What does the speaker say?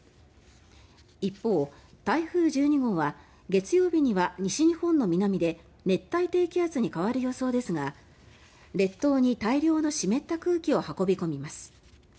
一方、台風１２号は月曜日には西日本の南で熱帯低気圧に変わる予想ですが列島に大量の湿った空気を運び込みます。